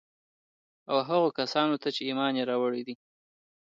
او هغو کسان ته چي ايمان ئې راوړى